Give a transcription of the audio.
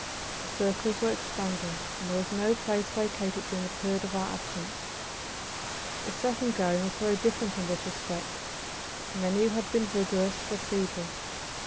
The circles were expanding, and there was no place vacated during the period of our absence. The second going was very different in this respect. Many who had been vigorous were feeble.